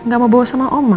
gak mau bawa sama oma